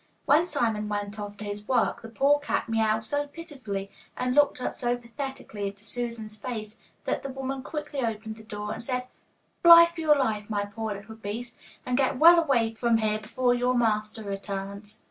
When Simon went off to his work, the poor cat miawed so pitifully, and looked up so pathetically into Susan's face, that the woman quickly opened the door and said, 'Fly for your life, my poor little beast, and get well away from here before your master returns.